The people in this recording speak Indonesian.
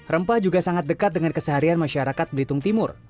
rempah juga sangat dekat dengan keseharian masyarakat belitung timur